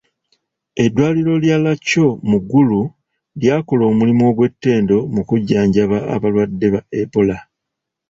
Eddwaliro lya Lacor mu Gulu lyakola omulimu ogw'ettendo mu kujjanjaba abalwadde ba Ebola.